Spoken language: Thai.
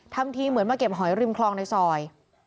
ทำทีเหมือนมาเก็บหอยริมคลองในซอย